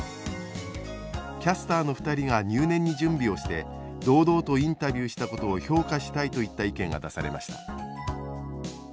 「キャスターの２人が入念に準備をして堂々とインタビューしたことを評価したい」といった意見が出されました。